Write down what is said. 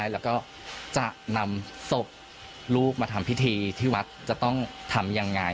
แล้วก็จะนำศพลูกมาทำพิธีที่วัดจะต้องทำยังไง